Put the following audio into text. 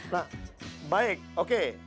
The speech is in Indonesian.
nah baik oke